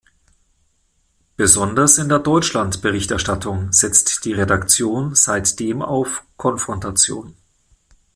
Besonders in der Deutschland-Berichterstattung setzt die Redaktion seitdem auf Konfrontation.